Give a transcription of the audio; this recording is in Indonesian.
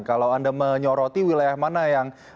kalau anda menyoroti wilayah mana yang